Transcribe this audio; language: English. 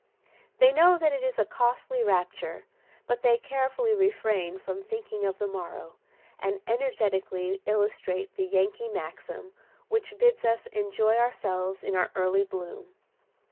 They know that it is a costly rapture, but they carefully refrain from thinking of the morrow, and energetically illustrate the Yankee maxim which bids us enjoy ourselves in our early bloom.